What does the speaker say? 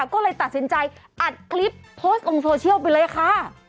ก็เลยตัดสินใจอัดคลิปโพสต์ลงโซเชียลไปเลยค่ะ